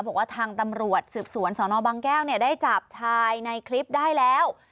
บอกว่าทางตำรวจสืบสวนสนบางแก้วได้จับชายในคลิปได้แล้ว